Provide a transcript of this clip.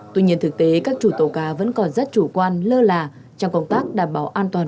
tuy nhiên thực tế các chủ tàu cá vẫn còn rất chủ quan lơ là trong công tác đảm bảo an toàn